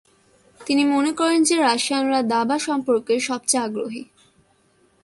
তিনি মনে করেন যে রাশিয়ানরা দাবা সম্পর্কে সবচেয়ে আগ্রহী।